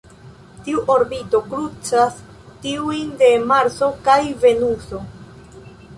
Tiu orbito krucas tiujn de Marso kaj Venuso.